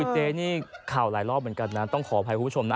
เจ๊นี่ข่าวหลายรอบเหมือนกันนะต้องขออภัยคุณผู้ชมนะ